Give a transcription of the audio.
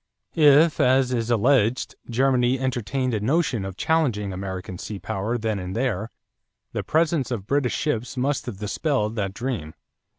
If, as is alleged, Germany entertained a notion of challenging American sea power then and there, the presence of British ships must have dispelled that dream.